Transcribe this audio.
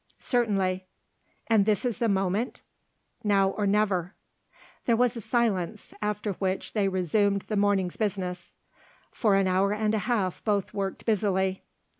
"Certainly." "And this is the moment?" "Now or never." There was a silence, after which they resumed the morning's business. For an hour and a half both worked busily.